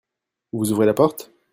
Vous ouvrez la porte ?